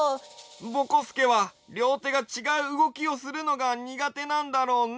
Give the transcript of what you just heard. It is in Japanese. ぼこすけはりょうてがちがううごきをするのがにがてなんだろうね。